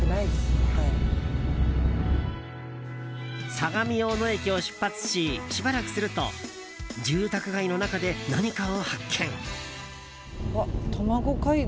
相模大野駅を出発ししばらくすると住宅街の中で何かを発見。